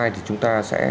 thì chúng ta sẽ